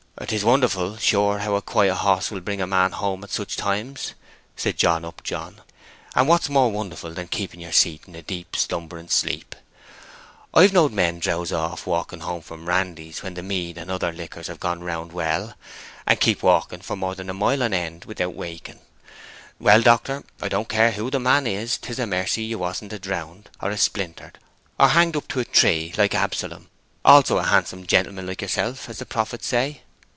"'Tis wonderful, sure, how a quiet hoss will bring a man home at such times!" said John Upjohn. "And what's more wonderful than keeping your seat in a deep, slumbering sleep? I've knowed men drowze off walking home from randies where the mead and other liquors have gone round well, and keep walking for more than a mile on end without waking. Well, doctor, I don't care who the man is, 'tis a mercy you wasn't a drownded, or a splintered, or a hanged up to a tree like Absalom—also a handsome gentleman like yerself, as the prophets say."